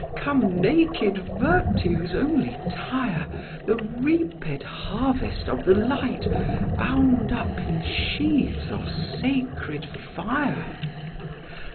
Come, naked Virtue's only tire, The reaped harvest of the light, Bound up in sheaves of sacred fire!